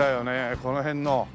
この辺の。